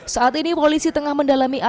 saat ini polisi tengah mendalami